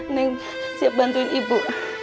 neng siap bantuin ibu